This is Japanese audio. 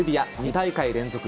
２大会連続